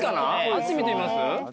あっち見てみます？